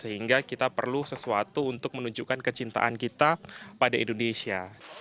sehingga kita perlu sesuatu untuk menunjukkan kecintaan kita pada indonesia